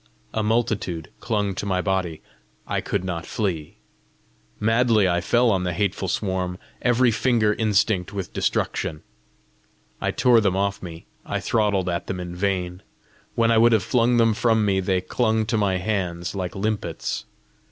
A multitude clung to my body; I could not flee. Madly I fell on the hateful swarm, every finger instinct with destruction. I tore them off me, I throttled at them in vain: when I would have flung them from me, they clung to my hands like limpets.